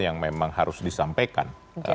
yang memang harus disampaikan